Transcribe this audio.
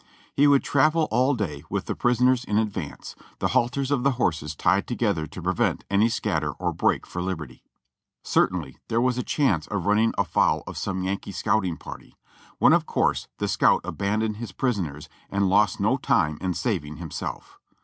He would travel all day with the prisoners in advance, the halters of the horses tied together to prevent any scatter or break for liberty. Certainly there was a chance of running afoul of some Yankee scouting party, when of course the scout abandoned his prisoners and lost no time in saving himself.